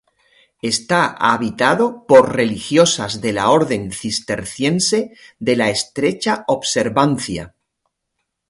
Está habitado por religiosas de la orden Orden Cisterciense de la Estrecha Observancia.